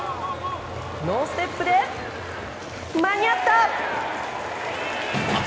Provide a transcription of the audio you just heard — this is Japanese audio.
ノーステップで間に合った！